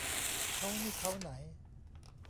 เค้านี่เค้าไหน